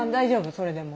それでも？